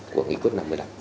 của nghị quyết năm mươi năm